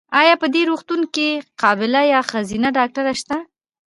ایا په دي روغتون کې قابیله یا ښځېنه ډاکټره سته؟